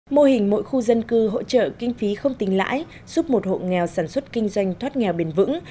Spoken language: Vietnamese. mô hình mỗi khu dân cư hỗ trợ kinh phí không tình lãi giúp một hộ nghèo sản xuất kinh doanh thoát nghèo bền vững